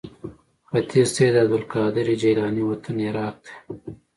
ختیځ ته یې د عبدالقادر جیلاني وطن عراق دی.